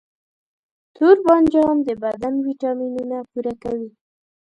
توربانجان د بدن ویټامینونه پوره کوي.